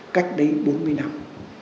cách đấy bốn mươi năm